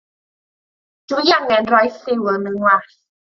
Dw i angen rhoi lliw yn 'y ngwallt.